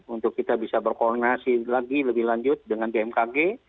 untuk kita bisa berkoordinasi lagi lebih lanjut dengan bmkg